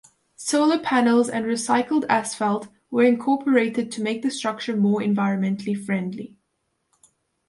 Solar panels and recycled asphalt were incorporated to make the structure more environmentally friendly.